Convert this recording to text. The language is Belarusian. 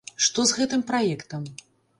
Што з гэтым праектам?